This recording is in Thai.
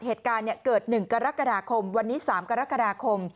เหตุการณ์เกิด๑กรกฎาคมวันนี้๓กรกฎาคม